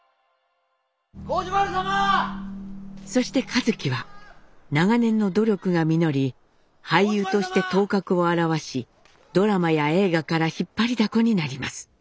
そして一輝は長年の努力が実り俳優として頭角を現しドラマや映画から引っ張りだこになります。